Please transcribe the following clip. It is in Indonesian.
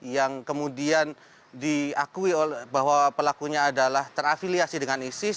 yang kemudian diakui bahwa pelakunya adalah terafiliasi dengan isis